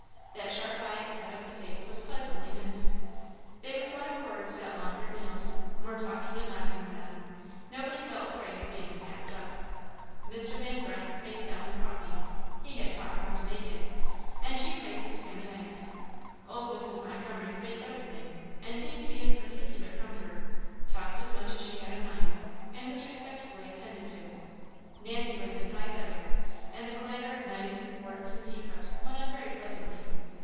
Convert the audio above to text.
That sharp eye at the head of the table was pleasantly missed. They with one accord sat longer at meals; more talking and laughing went on; nobody felt afraid of being snapped up. Mr. Van Brunt praised Ellen's coffee (he had taught her how to make it), and she praised his ham and eggs. Old Mrs. Montgomery praised everything, and seemed to be in particular comfort; talked as much as she had a mind, and was respectfully attended to. Nancy was in high feather; and the clatter of knives and forks and tea cups went on very pleasantly.